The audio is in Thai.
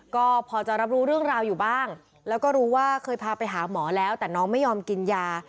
ก็พอจะรับรู้เรื่องราวอยู่บ้างแล้วก็รู้ว่าเคยพาไปหาหมอแล้วแต่น้องไม่ยอมกินยา